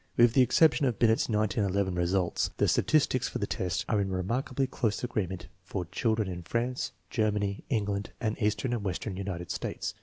With the exception of Binet's 1911 results, the statistics for the test are in remarkably close agreement for children in France, Germany, England, and Eastern and Western United States.